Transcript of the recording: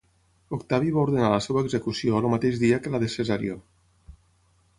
Octavi va ordenar la seva execució el mateix dia que la de Cesarió.